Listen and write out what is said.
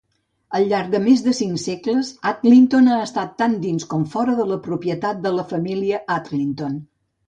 Al llarg de més de cinc segles, Adlington ha estat tant dins com fora de la propietat de la família Adlington.